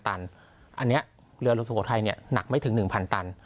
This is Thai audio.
อันนี้เรือหลวงสุโขทัยหนักไม่ถึง๑๐๐ตัน